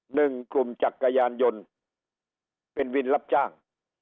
หนึ่งกลุ่มจักรยานยนต์เป็นวินรับจ้าง